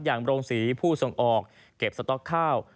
อย่างโรงสีผู้ส่งออกเก็บสต๊อกข้าว